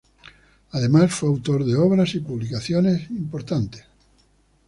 Además fue autor de obras y publicaciones importantes.